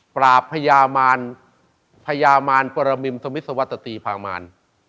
ประพญามารประมิมสมิสวทธิปางมาร